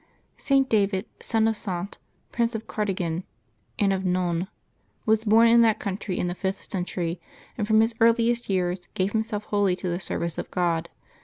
[t. David^ son of Sant, Prince of Cardigan and of I^on, was born in that country in the fifth century, and from his earliest years gave himself wholly to the service of God.